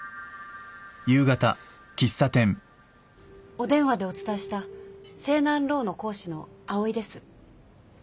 お電話でお伝えした青南ローの講師の藍井です。